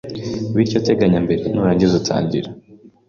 bityo teganya mbere, nurangiza utangire